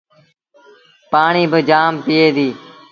پآڻيٚ با جآم پيٚئي ديٚ۔